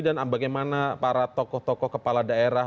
dan bagaimana para tokoh tokoh kepala daerah